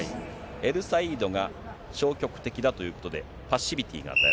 エルサイードが消極的だということで、パッシビティが与え